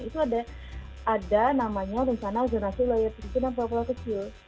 itu ada namanya rencana jenazah wilayah pesisir dan pelopor kecil